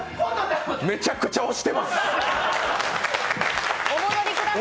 めちゃくちゃ押してます。